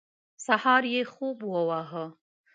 سهار یې خوب وواهه.